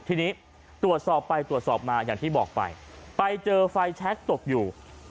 ทีนี้ตรวจสอบไปตรวจสอบมาอย่างที่บอกไปไปเจอไฟแชคตกอยู่